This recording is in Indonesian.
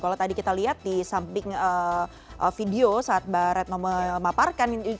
kalau tadi kita lihat di samping video saat mbak retno memaparkan